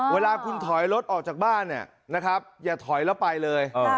เวลาคุณถอยรถออกจากบ้านอย่าถอยแล้วไปเลย